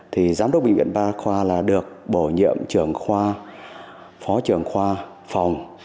thì giám đốc bệnh viện ba khoa là được bổ nhiệm trưởng khoa phó trưởng khoa phòng